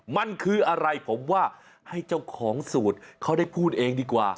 มันคืออะไรผมว่าให้เจ้าของสูตรเขาได้พูดเองดีกว่า